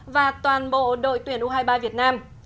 và toàn bộ đội tuyển u hai mươi ba việt nam